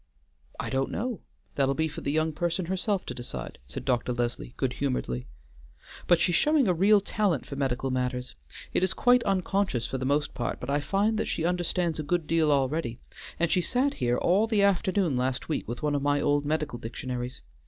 "I don't know; that'll be for the young person herself to decide," said Dr. Leslie good humoredly. "But she's showing a real talent for medical matters. It is quite unconscious for the most part, but I find that she understands a good deal already, and she sat here all the afternoon last week with one of my old medical dictionaries.